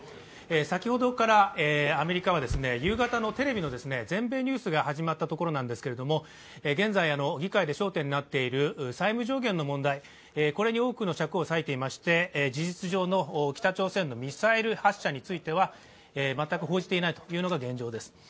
先ほどからアメリカは夕方のテレビの全米ニュースが始まったところなんですけども、現在、議会で焦点になっている債務上限の問題に多くの尺を割いていまして事実上の北朝鮮のミサイル発射については全く報じていないというのが現状です。